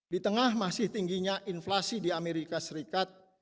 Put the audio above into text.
di tengah masih tingginya inflasi di amerika serikat